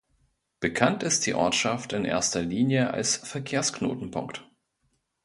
Bekannt ist die Ortschaft in erster Linie als Verkehrsknotenpunkt.